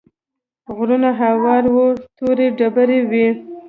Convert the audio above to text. غرونه هوار وو تورې ډبرې وې.